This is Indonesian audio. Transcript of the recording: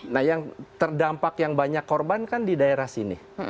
nah yang terdampak yang banyak korban kan di daerah sini